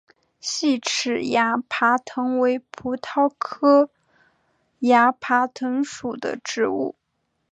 细齿崖爬藤为葡萄科崖爬藤属的植物。